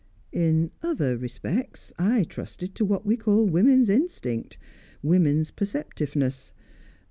In other respects, I trusted to what we call women's instinct, women's perceptiveness.